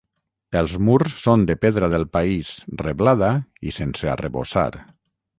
Els murs són de pedra del país reblada i sense arrebossar.